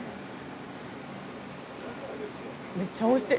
めっちゃおいしい！